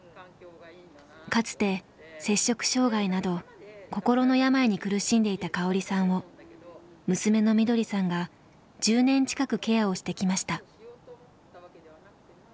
かつて摂食障害など心の病に苦しんでいた香織さんを娘のみどりさんが１０年近くケアをしてきました。